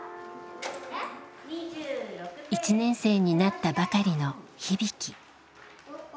１年生になったばかりの日々貴。